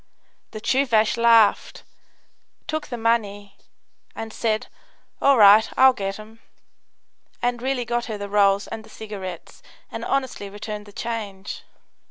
The Tchoovash laughed, took the money, and said, "All right; I'll get 'em," and really got her the rolls and the cigarettes and honestly returned the change.